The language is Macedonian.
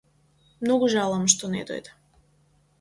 Многу жалам што не дојде.